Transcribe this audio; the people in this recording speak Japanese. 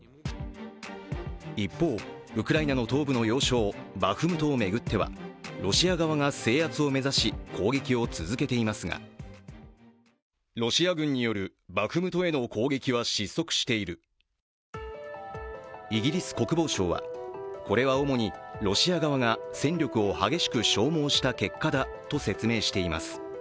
一方、ウクライナの東部の要衝バフムトを巡ってはロシア側が制圧を目指し攻撃を続けていますがイギリス国防省はこれは主にロシア側が戦力を激しく消耗した結果だと説明しています。